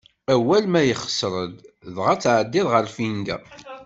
Awal ma yexṣer-d, dɣa ad tɛeddiḍ ɣer lfinga.